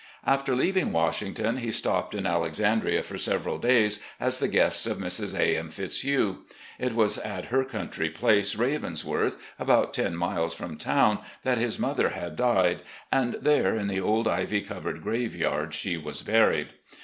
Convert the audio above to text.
After leaving Washington, he stopped in Alexandria for several days, as the guest of Mrs. A. M. Fitzhugh, It was at her country place, "Ravensworth," about ten miles from town, that his mother had died, and there, in 350 RECOLLECTIONS OP GENERAL LEE the old ivy covered graveyard, she was buried.